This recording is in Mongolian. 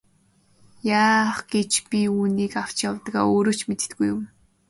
Яах гэж би үүнийг авч явдгаа өөрөө ч мэддэггүй юм.